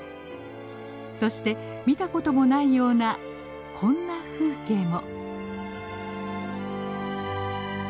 そして見たこともないようなこんな風景も。